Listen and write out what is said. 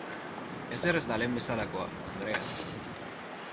Ezer ez da lehen bezalakoa, andrea.